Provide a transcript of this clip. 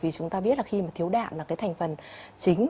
vì chúng ta biết là khi mà thiếu đạm là cái thành phần chính